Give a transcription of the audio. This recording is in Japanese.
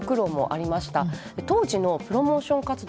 当時のプロモーション活動